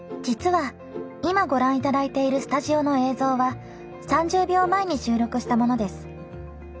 実は、今ご覧いただいているスタジオの映像は３０秒前に収録したものです。